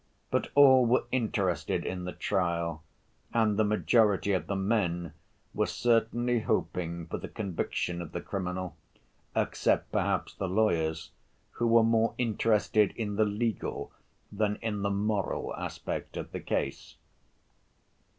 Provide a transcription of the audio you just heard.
But all were interested in the trial, and the majority of the men were certainly hoping for the conviction of the criminal, except perhaps the lawyers, who were more interested in the legal than in the moral aspect of the case.